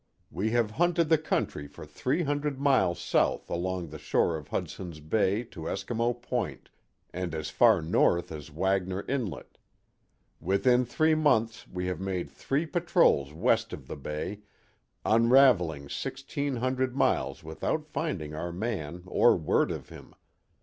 We have hunted the country for three hundred miles south along the shore of Hudson's Bay to Eskimo Point, and as far north as Wagner Inlet. Within three months we have made three patrols west of the Bay, unraveling sixteen hundred miles without finding our man or word of him.